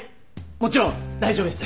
もちろん大丈夫です。